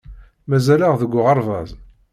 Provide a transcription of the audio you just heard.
Mazal-aɣ deg uɣerbaz.